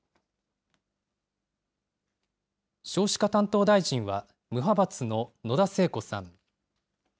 少子化担当大臣は無派閥の野田聖子さん。